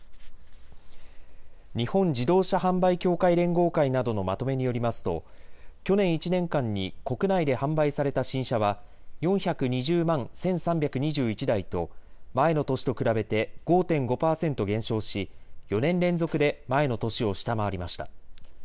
日本自動車販売協会連合会などのまとめによりますと去年１年間に国内で販売された新車は４２０万１３２１台と前の年と比べて５．５％減少し４年連続で前の年を下回りました。